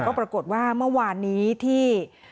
ก็ปรากฏว่าเมื่อวานนี้ที่